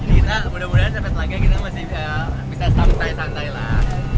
jadi kita mudah mudahan sampai telaga kita masih bisa santai santailah